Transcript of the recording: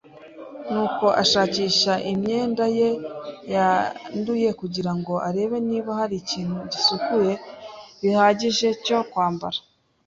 nuko ashakisha imyenda ye yanduye kugira ngo arebe niba hari ikintu gisukuye bihagije cyo kwambara.